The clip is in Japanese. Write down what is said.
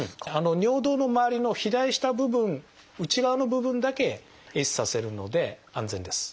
尿道のまわりの肥大した部分内側の部分だけ壊死させるので安全です。